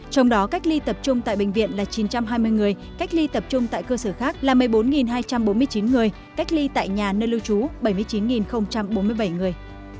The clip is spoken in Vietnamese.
trong đó cách ly tập trung tại bệnh viện là chín trăm hai mươi người cách ly tập trung tại cơ sở khác là một mươi bốn hai trăm bốn mươi chín người cách ly tại nhà nơi lưu trú bảy mươi chín bốn mươi bảy người